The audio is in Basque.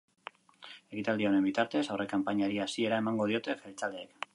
Ekitaldi honen bitartez, aurrekanpainari hasiera emango diote jeltzaleek.